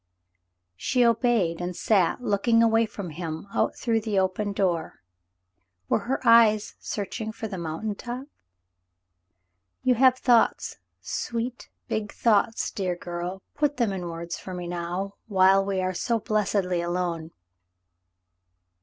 She obeyed and sat looking away from him out through the open door. Were her eyes searching for the mountain top ? "You have thoughts — sweet, big thoughts, dear girl; put them in words for me now, while we are so blessedly alone."